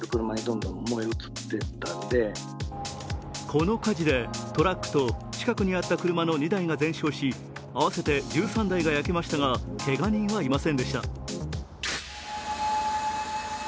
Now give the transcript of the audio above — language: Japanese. この火事で、トラックと近くにあった車の２台が全焼し合わせて１３台が焼けましたがけが人はいませんでした。